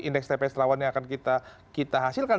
indeks tps lawan yang akan kita hasilkan